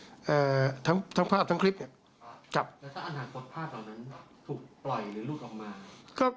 แล้วถ้าอนาคตภาพตรงนั้นถูกปล่อยหรือรูดออกมา